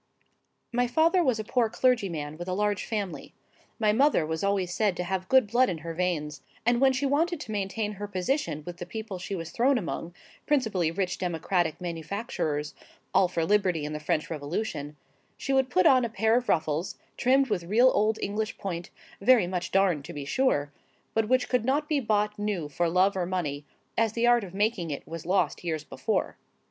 My father was a poor clergyman with a large family. My mother was always said to have good blood in her veins; and when she wanted to maintain her position with the people she was thrown among,—principally rich democratic manufacturers, all for liberty and the French Revolution,—she would put on a pair of ruffles, trimmed with real old English point, very much darned to be sure,—but which could not be bought new for love or money, as the art of making it was lost years before.